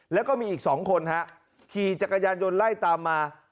แล้วก็มีอีก๒คนฮะขี่จักรยานยนต์ไล่ตามมา